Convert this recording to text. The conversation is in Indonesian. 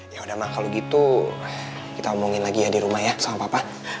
yaudah ma kalau gitu kita omongin lagi ya di rumah ya sama papa